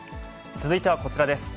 続いてはこちらです。